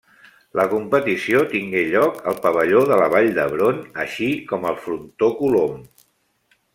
La competició tingué lloc al Pavelló de la Vall d'Hebron així com al Frontó Colom.